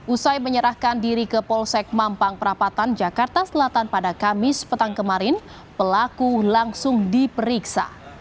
usai menyerahkan diri ke polsek mampang perapatan jakarta selatan pada kamis petang kemarin pelaku langsung diperiksa